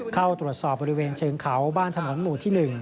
เข้าตรวจสอบบริเวณเชิงเขาบ้านถนนหมู่ที่๑